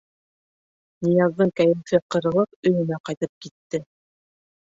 Нияздың кәйефе ҡырылып өйөнә ҡайтып китте.